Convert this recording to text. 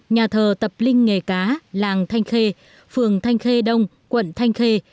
nhà thờ tập linh nghề cá làng thanh khê phường thanh khê đông quận thanh khê